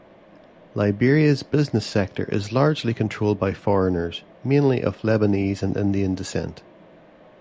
Liberia's business sector is largely controlled by foreigners mainly of Lebanese and Indian descent.